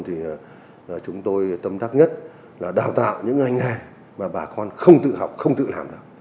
thì chúng tôi tâm tác nhất là đào tạo những ngành nghề mà bà con không tự học không tự làm được